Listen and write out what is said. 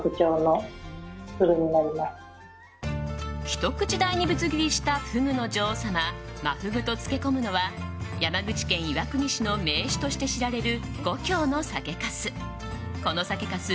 ひと口大にぶつ切りにしたフグの女王様真フグと漬け込むのは山口県岩国市の銘酒として知られる五橋の酒かす。